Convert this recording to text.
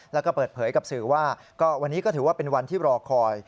แล้วก็เปิดเผยกับสื่อว่าวันนี้ก็ถือว่าเป็นวันที่รอคอย